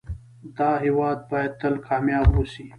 دا هيواد بايد تل کامیاب اوسی